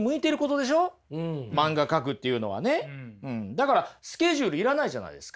だからスケジュール要らないじゃないですか。